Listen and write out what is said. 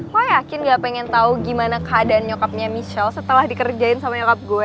gue yakin gak pengen tahu gimana keadaan nyokapnya michelle setelah dikerjain sama nyokap gue